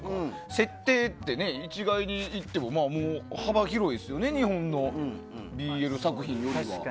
設定って一概に言っても幅広いですよね日本のＢＬ作品よりは。